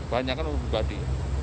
banyak kan mobil pribadi